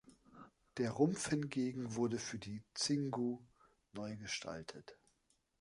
Der Rumpf hingegen wurde für die Xingu neu gestaltet.